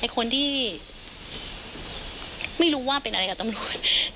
คนที่ไม่รู้ว่าเป็นอะไรกับตำรวจ